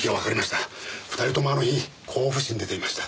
２人ともあの日甲府市に出ていました。